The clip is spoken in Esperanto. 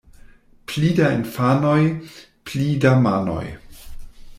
Pli da infanoj, pli da manoj.